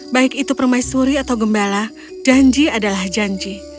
baik itu permaisuri atau gembala janji adalah janji